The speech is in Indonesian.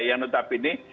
ya tetapi ini